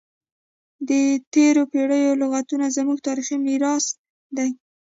د تیرو پیړیو لغتونه زموږ تاریخي میراث دی.